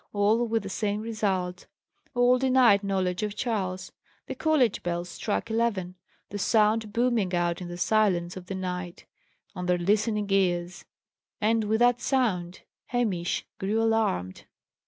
All with the same result; all denied knowledge of Charles. The college bell struck eleven, the sound booming out in the silence of the night on their listening ears; and with that sound, Hamish grew alarmed.